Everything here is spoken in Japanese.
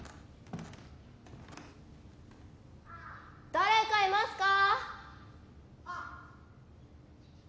誰かいますか？